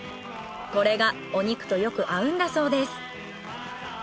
これがお肉とよく合うんだそうです。